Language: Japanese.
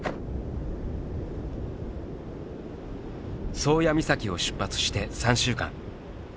宗谷岬を出発して３週間。